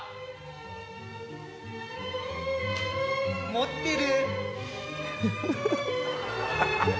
「持ってる」